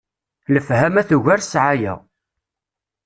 Lefhama tugar ssɛaya.